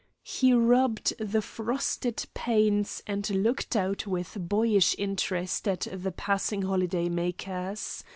He rubbed the frosted panes and looked out with boyish interest at the passing holiday makers.